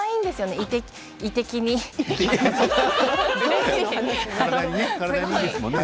胃的にね。